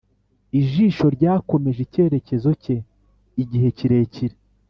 ijisho ryakomeje icyerekezo cye igihe kirekire;